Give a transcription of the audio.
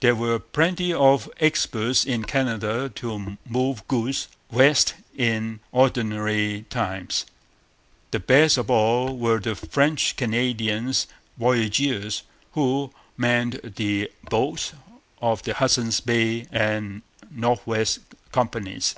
There were plenty of experts in Canada to move goods west in ordinary times. The best of all were the French Canadian voyageurs who manned the boats of the Hudson's Bay and North West Companies.